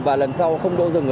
và lần sau không đỗ rừng